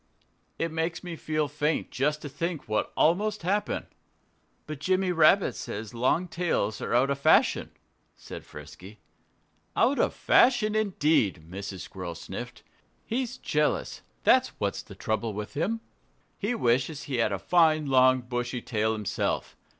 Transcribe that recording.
"It makes me feel faint just to think what almost happened." "But Jimmy Rabbit says long tails are out of fashion," said Frisky. "Out of fashion indeed!" Mrs. Squirrel sniffed. "He's jealous that's what's the trouble with him. He wishes he had a fine, long, bushy tail himself.